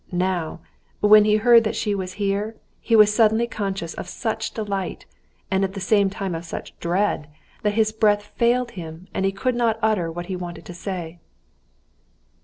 Now when he heard that she was here, he was suddenly conscious of such delight, and at the same time of such dread, that his breath failed him and he could not utter what he wanted to say.